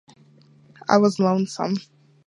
I was lonesome.